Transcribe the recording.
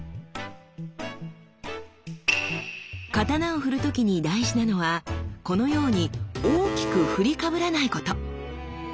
刀を振る時に大事なのはこのように大きく振りかぶらないこと。